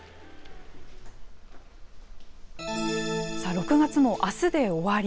６月もあすで終わり。